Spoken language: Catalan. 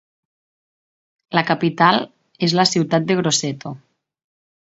La capital és la ciutat de Grosseto.